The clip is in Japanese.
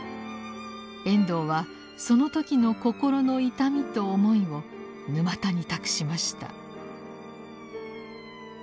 遠藤はその時の心の痛みと思いを「沼田」に託しました。